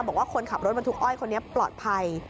บอกว่าคนขับรถบรรทุกอ้อยคนนี้ปลอดภัย